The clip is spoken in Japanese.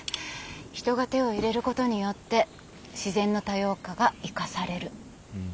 人が手を入れることによって自然の多様化が生かされる。